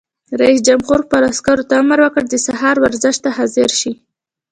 رئیس جمهور خپلو عسکرو ته امر وکړ؛ د سهار ورزش ته حاضر شئ!